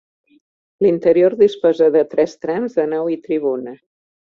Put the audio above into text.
L'interior disposa de tres trams de nau i tribuna.